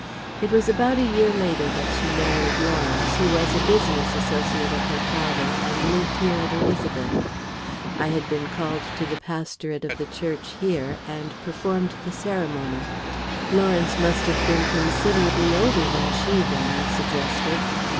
It was about a year later that she married Lawrence, who was a business associate of her father, and lived here at Elizabeth. I had been called to the pastorate of the church here and performed the ceremony." "Lawrence must have been considerably older than she, then," I suggested.